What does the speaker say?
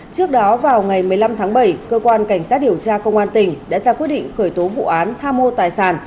trước đó vào ngày một mươi năm tháng bảy cơ quan cảnh sát điều tra công an tỉnh đã ra quyết định khởi tố vụ án tham mô tài sản